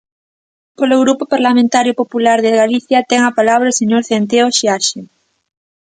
Polo Grupo Parlamentario Popular de Galicia, ten a palabra o señor Centeo Seaxe.